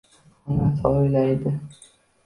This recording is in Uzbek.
Onasini o‘ylaydi.